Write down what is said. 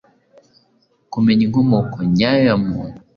kumenya inkomoko nyayo ya muntu